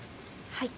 はい。